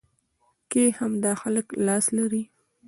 کې همدا خلک لاس لري.